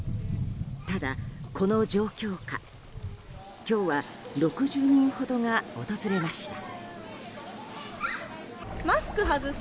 ただ、この状況下。今日は６０人ほどが訪れました。